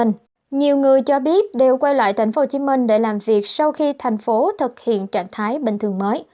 nhiều người cho biết đều quay lại tp hcm để làm việc sau khi thành phố thực hiện trạng thái bình thường mới